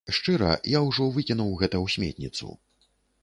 Шчыра, я ужо выкінуў гэта ў сметніцу.